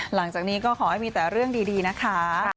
หลังจากนี้ก็ขอให้มีแต่เรื่องดีนะคะ